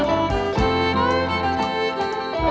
สวัสดีค่ะ